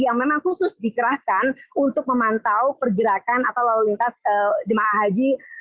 yang memang khusus dikerahkan untuk memantau pergerakan atau lalu lintas jemaah haji